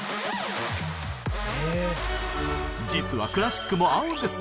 実はクラシックも合うんです！